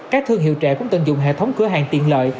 các thương hiệu trẻ cũng tận dụng hệ thống cửa hàng tiền lợi